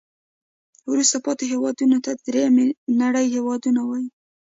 وروسته پاتې هیوادونو ته د دریمې نړۍ هېوادونه وایي.